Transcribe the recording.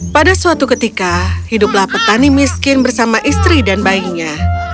pada suatu ketika hiduplah petani miskin bersama istri dan bayinya